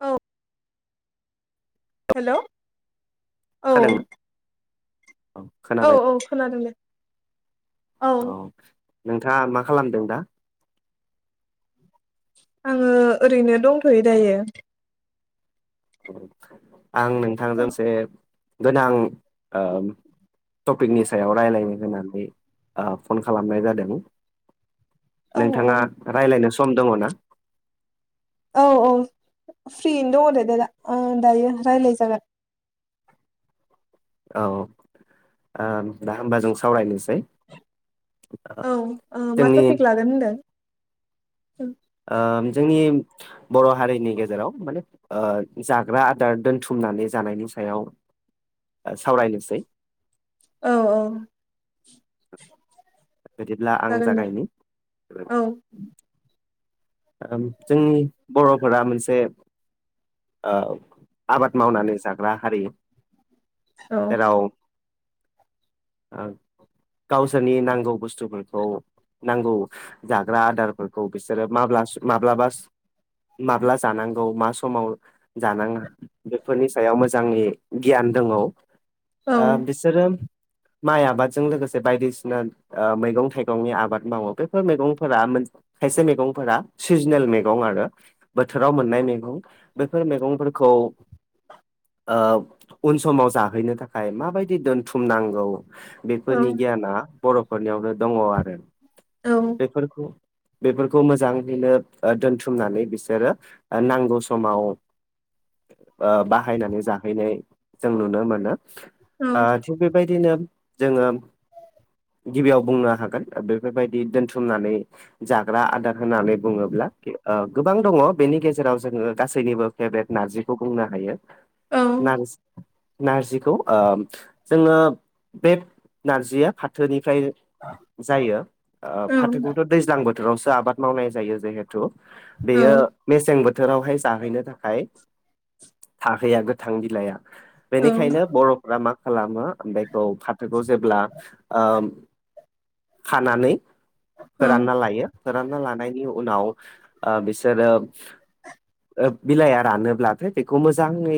औ हेल' खोनादों औ औ खोनाबाय औ खोनादों द औ नोंथाङा मा खालामदों दा आङो ओरैनो दंथ'यो दायो आं औ नोंथांजों एसे गोनां टपिकनि सायाव रायलायनो होननानै फन खालामनाय जादों औ नोंथाङा राय्लायनो सम दङ ना औ औ फ्रियैनो दङ दे दे दा दायो रायज्लाय जागोन औ दा होमबा जों सावरायनोसै औ मा जोंनि टपिक लागोन होनदों जोंनि बर' हारिनि गेजेराव माने जाग्रा आदार दोनथुमनानै जानायनि सायाव सावरायनोसै औ औ बिदिब्ला आं जागोन दे जागायनि औ जोंनि बर'फोरा मोनसे आबाद मावनानै जाग्रा हारि औ जेराव औ गावसोरनि नांगौ बुस्थुफोरखौ नांगौ जाग्रा आदारफोरखौ बिसोरो माब्ला माब्लाबा माब्ला जानांगौ मा समाव जानाङा बेफोरनि सायाव मोजांनि गियान दङ औ बिसोरो माइ आबादजों लोगोसे बायदिसिना मैगं थाइगंनि आबाद मावो बेफोर मैगंफोरा खायसे मैगंफोरा सिजोनेल मैगं आरो बोथोराव मोननाय मैगं बेफोर मैगंफोरखौ उन समाव जाहैनो थाखाय माबायदि दोनथुमनांगौ बेफोरनि गियाना बर'फोरनियावनो दङ आरो औ बेफोरखौ बेफोरखौ मोजाङैनो दोनथुमनानै बिसोरो नांगौ समाव बाहायनानै जाहैनाय जों नुनो मोनो ओ औ थिग बेबायदिनो जोङो गिबियाव बुंनो हागोन बेफोरबायदि दोनथुमनानै जाग्रा आदार होनानै बुङोब्ला गोबां दङ बेनि गेजेराव जोङो गासैनिबो फेभरेट नारजिखौ बुंनो हायो औ नारजि नारजिखौ जोङो बे नारजिया फाथोनिफ्राय औ जायो फाथोखौथ' दैज्लां बोथोरावसो आबाद मावनाय जायो जिेहेथु औ बेयो मेसें बोथोर बोथोरावहाय जाहैनो थाखाय थाहैया गोथां बिलइाया बेनिखायनो बर'फ्रा मा खालामो खौ फाथोखौ जेब्ला खानानै फोरानना लायो फोरानना लानायनि उनाव बिसोरो बिलाइया रानोब्लाथाय बेखौ मोजाङै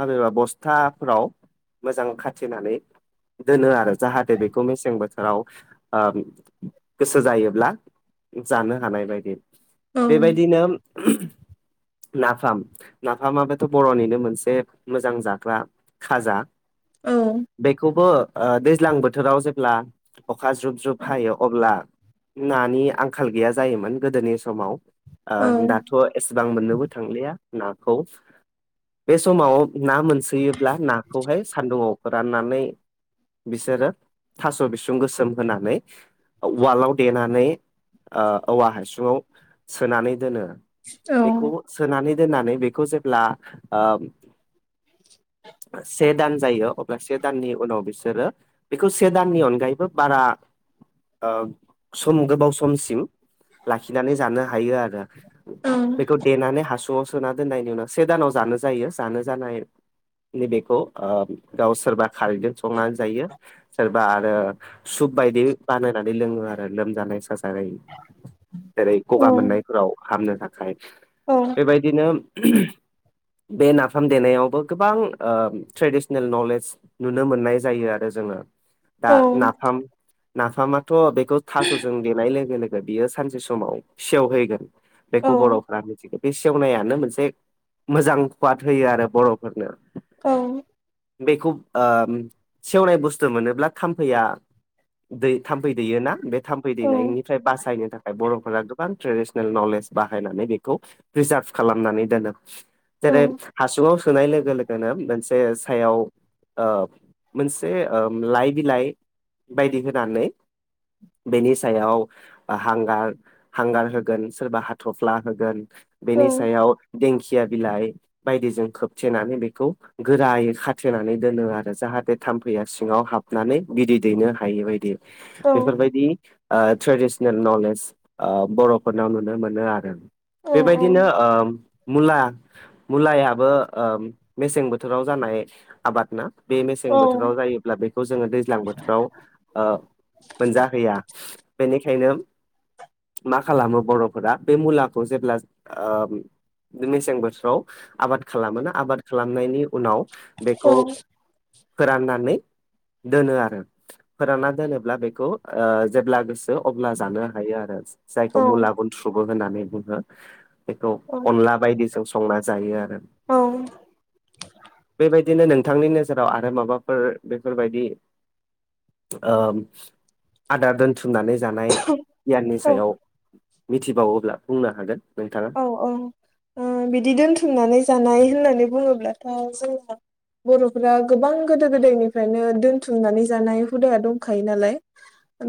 माबेबा बस्थाफोराव मोजां खाथिनानै दोनो आरो जाहाथे बेखौ मेसें बोथोराव गोसो जायोब्ला जानो हानाय बायदि औ बेबायदिनो नाफाम नाफामाब बेथ' बर'निनो मोनसे मोजां जाग्रा खाजा बेखौबो दैज्लां बोथोराव जेब्ला अखा जुब जुब हायो अब्ला नानि आं आंखाल गैया जायोमोन गोदोनि समाव दाथ' एसेबां मोननोबो थांलिया नाखौ बे समाव ना मोनसोयोब्ला नाखौहाय सान्दुंङाव राननानै बिसोरो थास' बिसुं गोसोम होनानै ववालाव देनानै औवा हासुङाव सोनानै दोनो बेखौ सोनानै दोननानै बेखौ जेब्ला से दान जायो अब्ला से दाननि उनाव बिसोरो बेखौ से दाननि अनगायैबो बारा सम गोबाव सम समसिम लाखिनानै जानो हायो आरो बेखौ देनानै ह' सुना दोननायनि उनाव से दानाव जानो जायो जानो जानाय नैबेखौ गाव सोरबा खारैजों संनानै जायो सोरबा बा आरो सुप बायदि बानायनानै लोङो आरो लोमजानाय सासे जै जेरै गगा मोननायफोराव हामनो थाखाय बेबायदिनो बे नाफाम देनायावबो गोबां ट्रेडिसनेल नलेज नुनो मोननाय जायो आरो जोङो दा नाफाम नाफामाथ' बेखौ थास'जों देनाय लोगो लोगो बियो सानसे समाव सेवहैगोन बेखौ बर'फ मिथिगोन बे सेवनायानो मोनसे मोजां कवाद होयो आरो बर'फोरनो औ बेखौ सेवनाय बुस्थु मोनोब्ला थाम्फैया दै थाम्फै दैयोना बे थाम्फै दैनायनिफ्राय बासायनो थाखाय बर'फोरा गोबां ट्रेडिसनेल नलेज बाहायनानै बेखौ प्रिजार्भ खालामनानै दोनो जेरै हासुङाव सोनाय लोगो लोगो जो मोनसे सायाव मोनसे लाइ बिलाइ बायदि होनानै बेनि सायाव हांगार हांगार होगोन सोरबा हाथफ्ला होगोन। औ बेनि सायाव दिंखिया बिलाइ बायदिजों खोबथेनानै बेखौ गोरायै खाथेनानै दोनो आरो जाहाथे थाम्फैया सिङाव हाबनानै गिदै दैनो हायि बदि औ औ बेफारबायदि ट्रेडिसनेल नलेज बर'फोरनाव नुनो मोनो आरो औ बेबायदिनो मुला मुलायाबो मेसें बोथोराव जानाय आबाद ना बे मेसें औ बोथोराव जायोब्ला बेखौ जोङो दैज्लां बोथोराव मोनजाहैया बेनिखायनो मा खालामो बर'फोरा बे मुलाखौ जेब्ला मेसें बोथोराव आबाद खालामोनो आबाद खालामनायनि उनाव औ बेखौ फोराननानै दोनो आरो फोरानना दोनोब्ला बेखौ जेब्ला गोसो अब्ला जानो हायो आरो औ जायखौ मुला गुनथ्रुबो होननानै बुङो। बेखौ अनला बायदिजों संना जायो आरो औ बेबायदि बिदिनो नोंथांनि नोजोराव आरो माबाफोर बेफोरबायदि आदार दोनथुमनानै जानाय गियाननि सायाव मिथिबावोब्ला बुंनो हागोन नोंथाङा औ बिदि दोनथुमनानै जानाय होननानै बुङोब्लाथ' जों बर'फोरा गोबां गोदो गोदायनिफ्रायनो दोनथुमनानै जानाय हुदाया दंखायो नालाय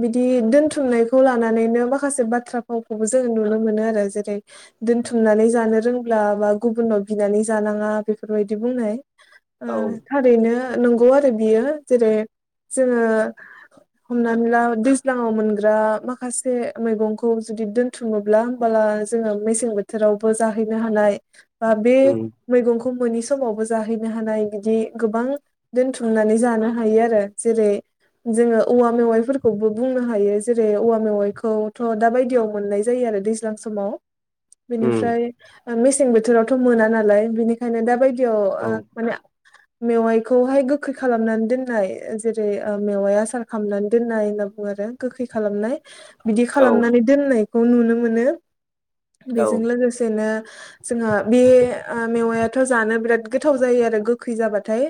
बिदि दोनथुमनायखौ लानानैनो माखासे बाथ्रा फावखौबो जोङो नुनो मोनो आरो जेरै दोनथुमनानै जानो रोंब्ला बा गुबुननाव बिनानै जानाङा बेफोरबायदि बुंनाय [inaudible] थारैनो नंगौ आरो बियो जेरै जोङो हमनानै ला दैज्लाङाव मोनग्रा माखासे मैगंखौ जुदि दोनथुङोब्ला होमबला जोङो मेसें बोथोरावबो जाहैनो हानाय बा बे उम मैगंखौ मोनि समावबो जाहैनो हानाय बिदि गोबां दोनथुमनानै जानो हायो आरो जेरै जोङो औवा मेवाइफोरखौबो बुंनो हायो जेरै औवा मेवाइखौथ' दा बायदियाव मोननाय जायो आरो समाव उम बिनिफ्राय मेसें बोथोरावथ' मोना नालाय बिनिखायनो दा बायदियाव औ माने मेवाइखौहाय गोखै खालामनानै दोननाय जेरै मेवाया सार खालामनानै दोननाय होनना बुङो आरो गोखै खालामनाय बिदि औ खालामनानै दोननायखौ नुनो मोनो। औ बेजों लोगोसेनो जोंहा बे मेवायाथ' जानो बिराद गोथाव जायो आरो गोखै जाबाथाय।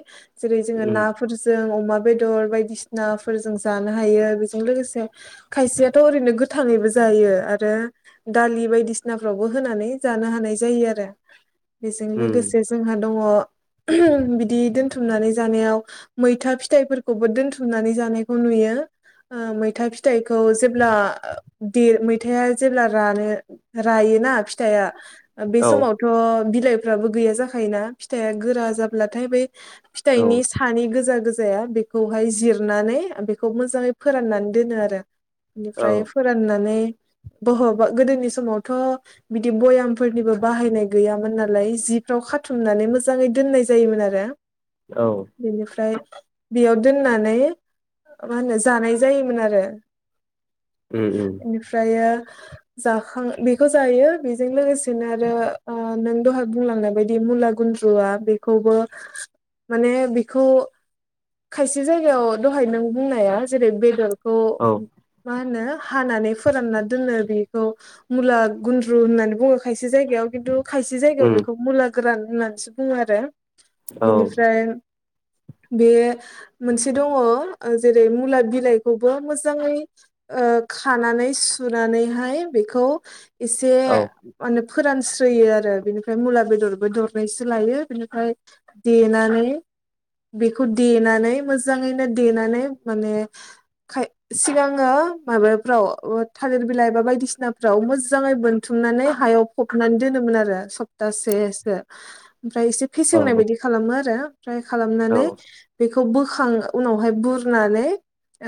जेरै जोङो उम नाफोरजों अमा बेदर बायदिसिनाफोरजों जानो हायो बेजों लोगोसे खायसेयाथ' ओरैनो गोथाङैबो जायो आरो दालि बायदिसिनाफ्रावबो होनानै जानो हानाय जायो आरो बेजों उम लोगोसे जोंहा दङ बिदि दोनथुमनानै जानायाव मैथा फिथाइफोरखौबो दोनथुमनानै जानायखौ नुयो। मैथा फिथाइखौ जेब्ला दे मैथाया जेब्ला रा रायोना फिथाइआ बे औ समाव थ' बिलाइफ्राबो गैया जाखायोना फिथाइआ गोरा जाब्लाथाय बै औ फिथाइनि सानै गोजा गोजाया बेखौहाय जिरनानै बेखौ मोजाङै फोराननानै दोनो आरो। औ बेनिफ्राय फोराननानै बहबा गोदोनि समावथ' बिदि भयामफोरनिबो बाहायनाय गैयामोन नालाय जिफ्राव खाथुमनानै मोजाङै दोननाय जायोमोन आरो। औ बेनिफ्राय बेयाव दोननानै मा होनो जानाय जायोमोन आरो। उम उम बेनिफ्रायो जाखां बेखौ जायो बेजों लोगोसेनो आरो नों दहाय बुंलांनाय बायदि मुला गुन्द्रुवआ बेखौबो माने बिखौ खायसे जायगायाव दहाय नों बुंनाया जेरै बेदर खौ औ मा होनो हानानै फोरानना दोनो बेखौ मुला गुन्द्रु होननानै बुङो खायसे जायगायाव खिन्थु खायसे जायगायाव उम बेखौ मुला गोरान होननानैसो बुङो आरो औ बिनिफ्राय बे मोनसे दङ जेरै मुला बिलाइखौबो मोजाङै ओ खानानै सुनानैहाय बेखौ एसे औ माने फोरानस्रोयो आरो बिनिफ्राय मुला बेदरबो दरनायसो लायो बिनिफ्राय देनानै बेखौ देनानै मोजाङैनो देनानै माने सिगाङो माबाफ्राव थालिर बिलाइ एबा बायदिसिनाफ्राव मोजाङै बोनथुमनानै हायाव फबनानै दोनोमोन आरो सब दासेसो ओमफ्राय एसे फेसेवनाय बायदि खालामो आरो ओमफ्राय औ खालामनानै बेखौ बोखां उनावहाय बुरनानै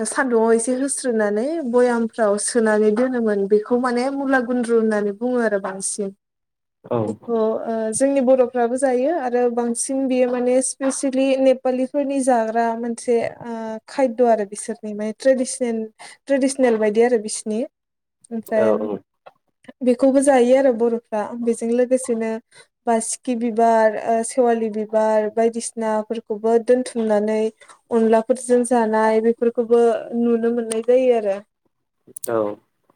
सान्दुंआव एसे होस्रोनानै भयामफ्राव सोनानै दोनोमोन बेखौ माने मुला गुन्द्रु होननानै बुङो आरो बांसिन। औ बेखौ' जोंनि बर'फ्राबो जायो आरो बांसिन बियो माने स्पेसियेलि नेपालि बि फोरनि जाग्रा मोनसे ओ खायद' आरो बिसोरनि माने ट्रेडिसनेल ट्रेडिसनेल बायदि आरो बिसिनि ओमफ्राय औ बेखौबो जायो आरो बर'फ्रा बेजों लोगोसेनो बा सिखि बिबार ओ सेवालि बिबार बायदिसिनाफोरखौबो दोनथुमनानै अनलाफोरजों जानाय बेफोरखौबो नुनो मोननाय जायो आरो। औ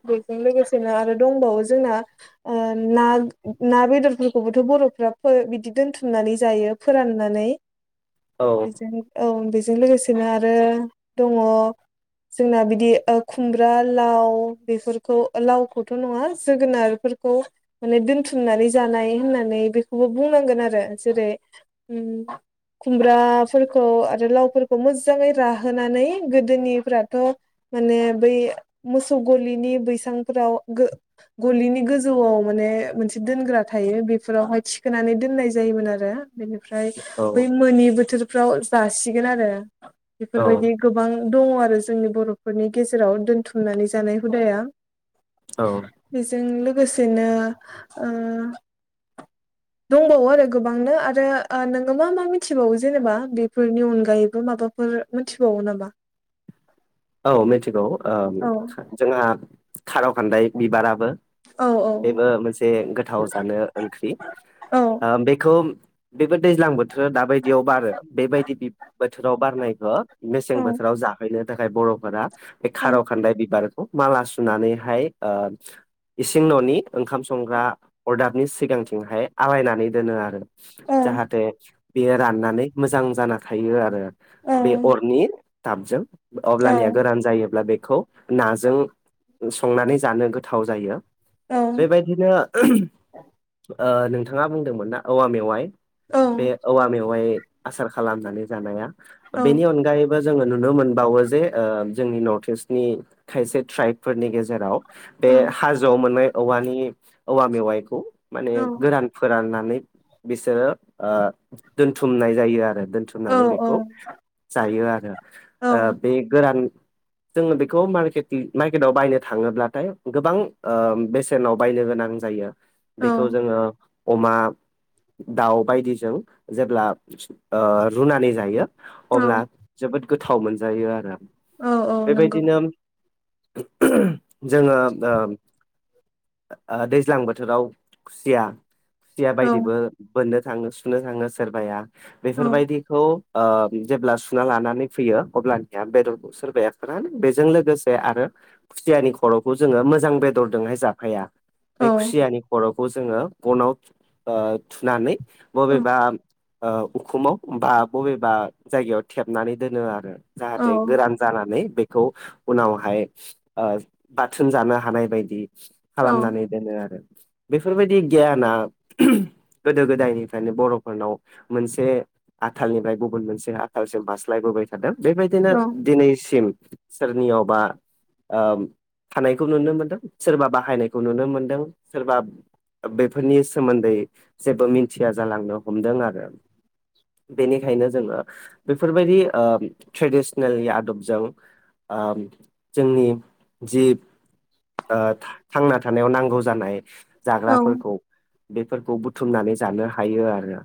बेजों लोगोसेनो आरो दंबावो जोंना ना ना बेदरफोरखौबोथ' बर'फ्रा बिदि दोनथुमनानै जायो फोराननानै [inaudible] बेस औ बेजों लोगोसेनो आरो दङ जोंना बिदि खुमब्रा लाव बेफोरखौ लावखौथ' नङा जोगोनारफोरखौ माने दोनथुमनानै जानाय होननानै बेखौबो बुंनांगोन आरो जेरै खुमब्राफोरखौ आरो लावफोरखौ मोजाङै राहोनानै गोदोनिफोराथ' माने बै मोसौ गलिनि बैसांफोराव गलिनि गोजौआव माने मोनसे दोनग्रा थायो बेफोरावहाय थिखोनानै दोननाय जायोमोन आरो बेनिफ्राय औ बै मोननि बोथोरफ्राव जासिगोन आरो बेफोरबायदि गोबां दङ आरो जोंनि बर'फोरनि गेजेराव दोनथुमनानै जानाय हुदाया औ बेजों लोगोसेनो [inaudible] दंबावो आरो गोबांनो आरो नोङो मा मा मिथिबावो जेनेबा बेफोरनि अनगायैबो माबा मिथिबावो नामा औ मिथिगौ औ जोंहा खार' खान्दाय बिबाराबो औ बेबो मोनसे गोथाव जानो ओंख्रि औ बेखौ बेबो दैज्लांबो बोथोर दााबायदियाव बारो बेबायदि बोथोराव बारनायखौ मेसें औ बोथोराव जाहैनो बर'फोरा बे औ खार' खान्दाय बिबार माला सुनानैहाय इसिं न'नि ओंखाम संग्रा अरदाबनि सिगांथिंहाय आलायनानै दोनो आरो औ जाहाथे बेयो राननानै मोजां जाना थायो आरो औ बे अरनि दाबजों औ अब्लानिया गोरान जायोब्ला बेखौ नाजों संनानै जानो गोथाव जायो। औ बेबायदिनो ओ नोंथाङा बुंदोंमोन ना औवा मेवाइ बे औवा मेवाय आसार खालामनानै जानाया बेनि अनगायै बो जोङो नुनो मोनबावो जे जोंनि नर्थ इस्टनि खायसे ट्राइबफोरनि गेजेराव बे हाजोआव मोननाय औवानि औवा मेवाइखौ माने गोरान फोराननानै बिसोरो दोनथुमनाय जायो आरो दोनथुमनानै बेखौ औ जायो आरो बे गोरान जोङो बेखौारकेट मार्केटआव बायनो थाङोब्लाथाय गोबां बेसेनाव बायनो गोनां जायो औ बेखौ जोङो अमा दाउ बायदिजों जेब्ला ओ रुनानै जायो अब्ला जोबोद गोथाव मोन जायो आरो औ औ नंगौ बेबायदिनो जोङो ओ ओ दैज्लां बोथोराव खुसिया खुसिया औ बायदिबो बोननो थाङो सु नो थाङो सोरबाया औ बेफोरबायदिखौ ओ जेब्ला सुना लानानै फैयो अब्लानिया बेदर सोरबाया फोरानो बेजों लोगोसे आरो खुसियानि खर'खौ जोङो मोजां बेदरदोंहाय जा फाया बे औ खुसियानि खर'खौ जोङो बनाव ओ थुनानै बबेबा ओ उखुमाव बा बबेबा जायगायाव थेबनानै दोनो आरो जाहाथे औ गोरान जानानै बे खौ उनावहाय ओ बाथोन जानो हानाय बायदि औ खालामनानै दोनो आरो बेफोरबायदि गियाना गोदो गोदायनिफ्रायनो बर'फोरनाव मोनसे आथालनिफ्राय गुबुन मोनसे आथालसिम बास्लायबोबाय थादों बेबायदिनो औ दिनैसिम सोरनियावबा ओम थानायखौ नुनो मोनदों सोरबा बा बाहायनायखौ नुनो मोन्दों सोरबा बेफोरनि सोमोन्दै जेबो मिनथिया जालांनो हमदों आरो। बेनिखायनो जोङो बेफोरबायदि ओ ट्रेडिसनेलनि आदबजों ओम जोंनि जि ओ थांना थानायाव नांगौ जानाय औ जाग्राफोरखौ बेफोरखौ बुथुमनानै जानो हायो आरो।